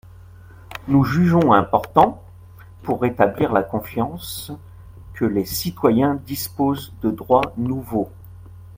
Nous jugeons important, pour rétablir la confiance, que les citoyens disposent de droits nouveaux.